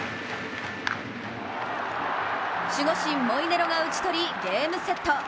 守護神・モイネロが打ち取りゲームセット。